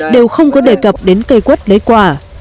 đều không có đề cập đến cây quất lấy quả